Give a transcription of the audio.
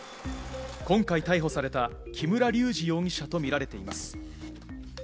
今回、逮捕された木村隆二容疑者とみられています。